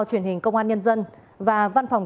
truyền hình công an nhân dân và văn phòng